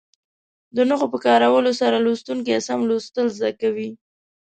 د نښو په کارولو سره لوستونکي سم لوستل زده کوي.